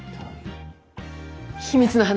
秘密の話？